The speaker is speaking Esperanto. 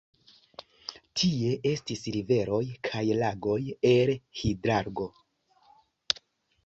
Tie estis riveroj kaj lagoj el hidrargo.